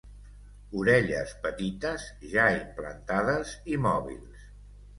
Orelles petites, ja implantades i mòbils.